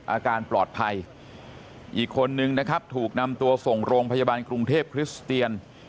อาการปลอดภัยอีกคนนึงนะครับถูกนำตัวส่งโรงพยาบาลกรุงเทพคริสเตียน